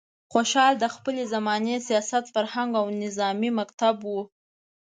خوشحال د خپلې زمانې سیاست، فرهنګ او نظامي مکتب و.